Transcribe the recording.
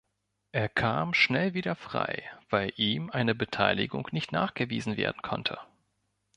Er kam schnell wieder frei, weil ihm eine Beteiligung nicht nachgewiesen werden konnte.